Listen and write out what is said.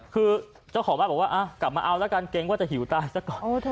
คือเจ้าของบ้านบอกว่ากลับมาเอาละกันเกรงว่าจะหิวตายซะก่อน